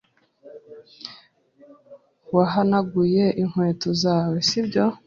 Wahanaguye inkweto zawe, si byo?